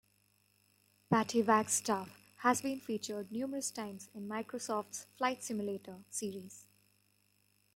Patty Wagstaff has been featured numerous times in Microsoft's "Flight Simulator" series.